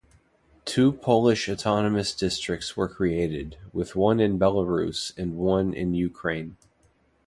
Two Polish Autonomous Districts were created, with one in Belarus and one in Ukraine.